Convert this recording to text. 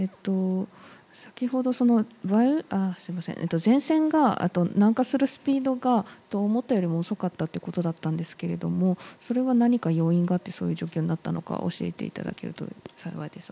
先ほど前線が南下するスピードが思ったよりも遅かったということですがそれは何か要因があってそういう状況になったのか教えていただけると幸いです。